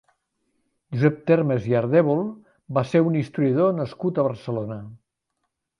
Josep Termes i Ardèvol va ser un historiador nascut a Barcelona.